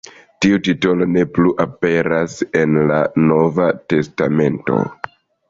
Tiu titolo ne plu aperas en la Nova Testamento.